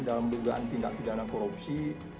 dalam dugaan tindak pidana korupsi